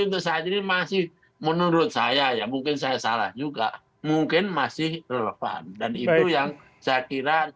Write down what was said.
itu saya jadi masih menurut saya ya mungkin saya salah juga mungkin masih relevan dan yang cakiran